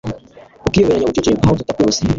ukiyoberanya bucece nkaho tutakuzi